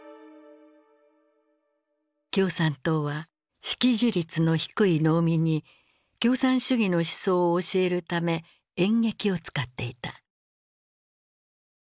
共産党は識字率の低い農民に共産主義の思想を教えるため演劇を使っていた。